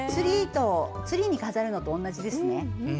ツリーに飾るのと同じですね。